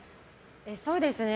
そうですね。